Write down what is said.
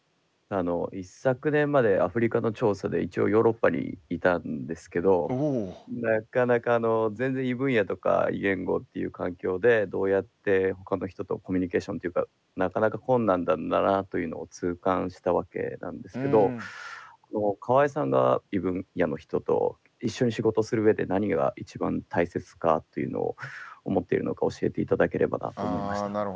一昨年までアフリカの調査で一応ヨーロッパにいたんですけどなかなか全然異分野とか異言語という環境でどうやってほかの人とコミュニケーションっていうかなかなか困難なんだなというのを痛感したわけなんですけど河江さんが異分野の人と一緒に仕事する上で何が一番大切かというのを思っているのか教えて頂ければなと思いました。